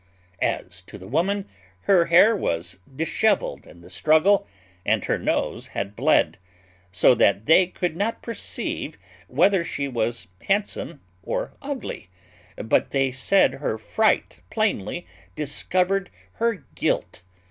As to the woman, her hair was dishevelled in the struggle, and her nose had bled; so that they could not perceive whether she was handsome or ugly, but they said her fright plainly discovered her guilt.